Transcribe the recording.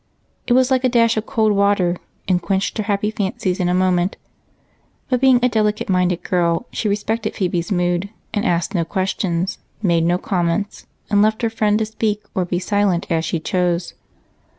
It was like a dash of cold water and quenched her happy fancies in a moment; but being a delicate minded girl, she respected Phebe's mood and asked no questions, made no comments, and left her friend to speak or be silent as she chose.